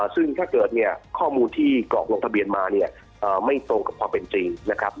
ซึ่งถ้าเกิดข้อมูลที่กรอกลงทะเบียนมาไม่ตรงกับความเป็นจริง